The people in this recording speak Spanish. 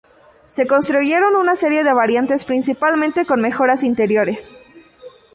Se construyeron una serie de variantes, principalmente con mejoras interiores.